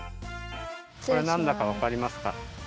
これなんだかわかりますか？